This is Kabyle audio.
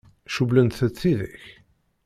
Cewwlent-t tidak?